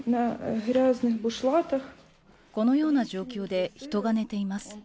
このような状況で人が寝ています。